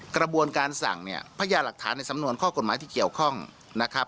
กระบวนการสั่งเนี่ยพญาหลักฐานในสำนวนข้อกฎหมายที่เกี่ยวข้องนะครับ